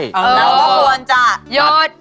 นั่นควรจะหยุด